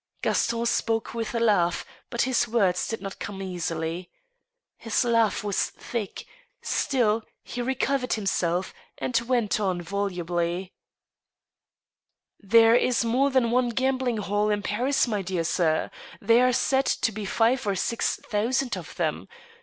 Gaston spoke with a laugh, but his words did not come easily. His laugh was thick ; still, he recovered himself, and went on volu bly: " There is more than one gambling hell in Paris, my dear sir ; there are said to be five or six thousand of them.